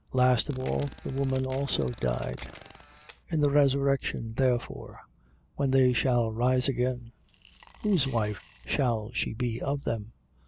Last of all the woman also died. 12:23. In the resurrection therefore, when they shall rise again, whose wife shall she be of them?